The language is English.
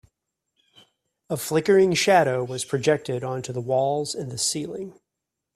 A flickering shadow was projected onto the walls and the ceiling.